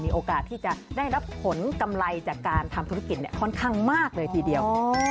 โอกาสที่จะได้รับผลกำไรจากการทำธุรกิจค่อนข้างมากเลยทีเดียว